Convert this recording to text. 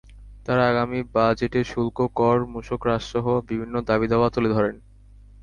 তাঁরা আগামী বাজেটে শুল্ক, কর, মূসক হ্রাসসহ বিভিন্ন দাবি-দাওয়া তুলে ধরেন।